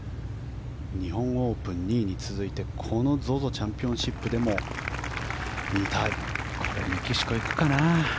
日本オープン２位に続いてＺＯＺＯチャンピオンシップでもメキシコ行くかな。